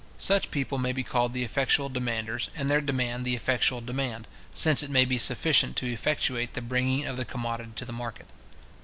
Such people may be called the effectual demanders, and their demand the effectual demand; since it maybe sufficient to effectuate the bringing of the commodity to market.